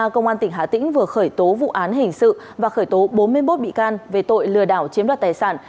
công an tỉnh hà tĩnh vừa khởi tố vụ án hình sự và khởi tố bốn mươi một bị can về tội lừa đảo chiếm đoạt tài sản